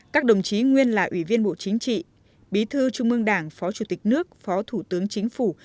các đồng chí nguyên là ủy viên bộ chính trị bí thư trung ương đảng phó chủ tịch nước phó thủ tướng chính phủ